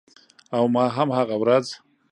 او ما هم هغه ورځ